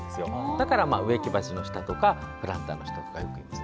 だから植木鉢の下とかプランターの下とかによくいます。